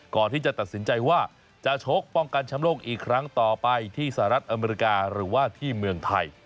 ก่อนที่จะตัดสินใจว่าจะชกป้องกันแชมป์โลกอีกครั้งต่อไปที่สหรัฐอเมริกาหรือว่าที่เมืองไทย